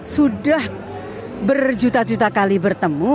sudah berjuta juta kali bertemu